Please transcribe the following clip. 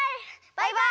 バイバイ！